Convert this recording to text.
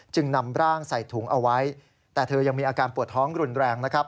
จึงนำร่างใส่ถุงเอาไว้แต่เธอยังมีอาการปวดท้องรุนแรงนะครับ